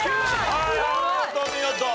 はいお見事お見事！